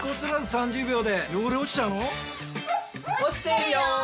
落ちてるよ！